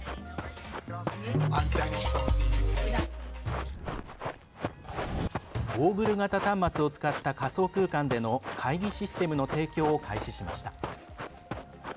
ゴーグル型端末を使った仮想空間での会議システムの提供を開始しました。